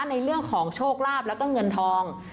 ในเรื่องของโชคลาภแล้วก็เงินทอง